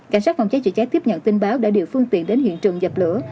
cảnh sát phòng cháy chữa cháy tiếp nhận tin báo đã điều phương tiện đến hiện trường dập lửa